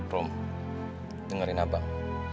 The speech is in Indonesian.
rung dengerin abang